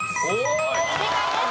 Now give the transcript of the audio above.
正解です。